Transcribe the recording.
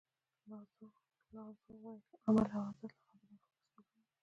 لاو زو وایي عمل او عادت له خبرو او فکر څخه جوړیږي.